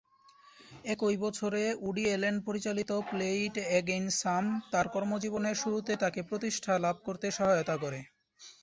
একই বছরে Woody Allen পরিচালিত "প্লে ইট অ্যাগেইন, স্যাম" তার কর্মজীবনের শুরুতে তাকে প্রতিষ্ঠা লাভ করতে সহায়তা করে।